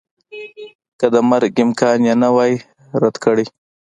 که د مرګ امکان یې نه وای رد کړی